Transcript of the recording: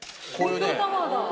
東京タワーだ。